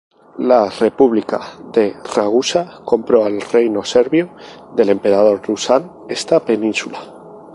La República de Ragusa compró al Reino Serbio del emperador Dušan esta península.